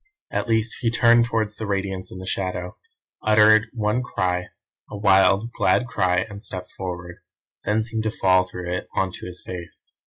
At least he turned towards the Radiance in the shadow, uttered one cry; a wild, glad cry, and stepped forward; then seemed to fall through it on to his face.